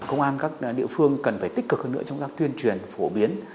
công an các địa phương cần phải tích cực hơn nữa trong các tuyên truyền và phổ biến